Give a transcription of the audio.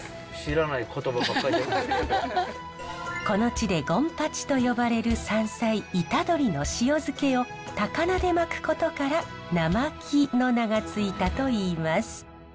この地でゴンパチと呼ばれる山菜イタドリの塩漬けを高菜で巻くことから「なまき」の名が付いたといいます。